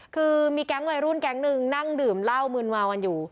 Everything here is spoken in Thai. คือมีแก๊งวัยรุ่นแก๊งนึงนั่งดื่มเหล้ามืนเมากันอยู่